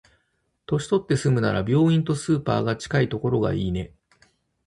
年取って住むなら、病院とスーパーが近いところがいいね。